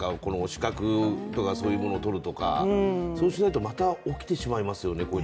資格とかそういうものをとるとか、そうしないとまた起きてしまいますよね、これ。